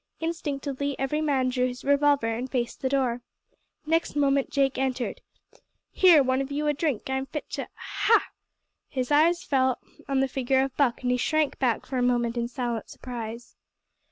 Instinctively every man drew his revolver and faced the door. Next moment Jake entered. "Here, one of you; a drink I'm fit to ha!" His eyes fell on the figure of Buck and he shrank back for a moment in silent surprise.